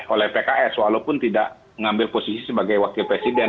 oleh pks walaupun tidak mengambil posisi sebagai wakil presiden